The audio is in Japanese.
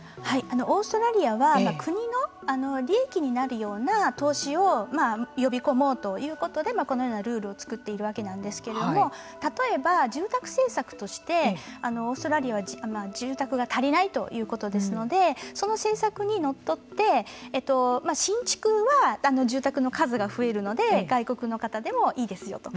オーストラリアは国の利益になるような投資を呼び込もうということでこのようなルールを作っているわけなんですけれども例えば住宅政策としてオーストラリアは、住宅が足りないということですのでその政策にのっとって新築は住宅の数が増えるので外国の方でもいいですよと。